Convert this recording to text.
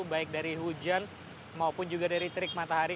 baik dari hujan maupun juga dari terik matahari